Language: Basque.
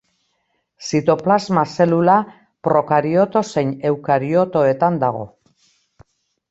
Zitoplasma zelula prokarioto zein eukariotoetan dago.